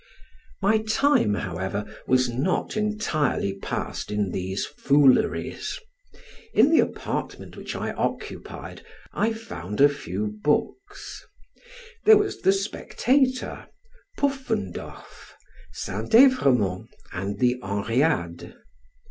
My time, however, was not entirely passed in these fooleries; in the apartment which I occupied I found a few books: there was the Spectator, Puffendorf, St. Everemond, and the Henriade.